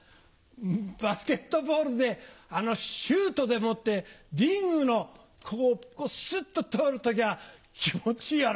バスケットボールで、あのシュートでもって、リングのここ、すっと通るときは、気持ちいいよな。